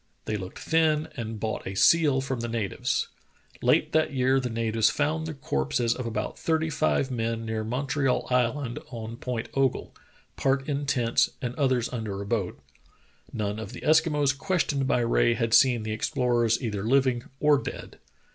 They looked thin and bought a seal from the natives. Late that year the natives found the corpses of about thirty five men near Montreal Island and Point Ogle, part in tents and others under a boat. None of the Eskimos questioned by Rae had seen the explorers either living or dead.